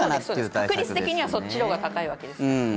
確率的にはそっちのほうが高いわけですから。